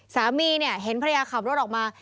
สามีเห็นภรรยาขับรถออกมา